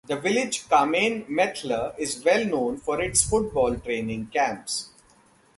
The village Kamen-Methler is well known for its football training camps.